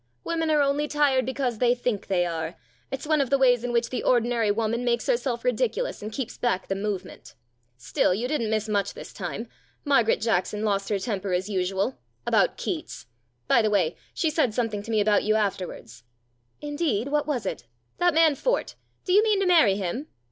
" Women are only tired because they think they are it's one of the ways in which the ordinary woman makes herself ridiculous and keeps back the move ment. Still, you didn't miss much this time. Margaret Jackson lost her temper as usual. 168 STORIES IN GREY About Keats. By the way, she said something to me about you afterwards." " Indeed ? What was it ?"" That man Fort. Do you mean to marry him